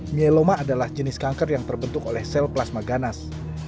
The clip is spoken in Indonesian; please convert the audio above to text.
myeloma adalah jenis kanker yang terbentuk oleh sel plasma ganas